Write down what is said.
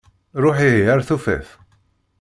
Ruḥ ihi ar-tufat.